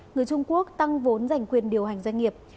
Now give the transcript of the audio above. người trung quốc tăng vốn giành quyền điều hành doanh nghiệp